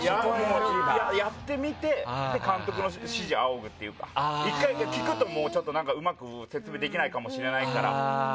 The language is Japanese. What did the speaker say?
やってみて監督の指示仰ぐっていうか１回聞くと、うまく説明できないかもしれないから。